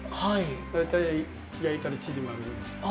大体、焼いたら縮まるので。